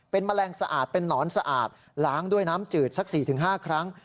เป็นแมลงสะอาดเป็นนอนสะอาดล้างด้วยน้ำจืดสัก๔๕ครั้ง